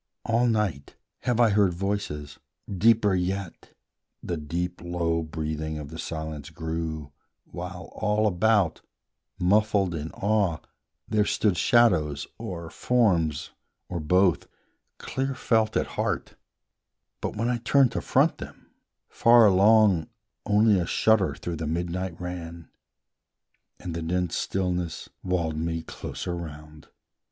All night have I heard voices: deeper yet The deep low breathing of the silence grew, While all about, muffled in awe, there stood Shadows, or forms, or both, clear felt at heart, But, when I turned to front them, far along Only a shudder through the midnight ran, And the dense stillness walled me closer round.